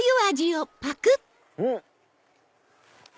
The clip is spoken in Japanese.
うん！